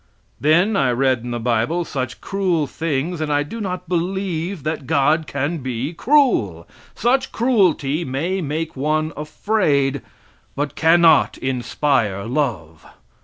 Then I read in the bible such cruel things, and I do not believe that God can be cruel. Such cruelty may make one afraid, but cannot inspire love.